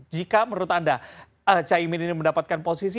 jika menurut anda caimin ini mendapatkan posisi